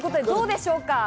どうでしょうか？